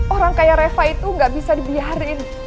orang kaya reva itu gak bisa dibiarin